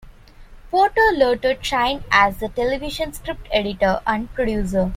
Porter later trained as a television script editor and producer.